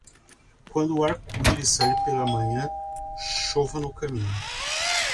Quando o arco-íris sair pela manhã, chova no caminho.